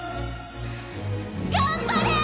頑張れー！